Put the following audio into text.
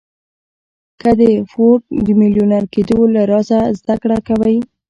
که د فورډ د ميليونر کېدو له رازه زده کړه کوئ.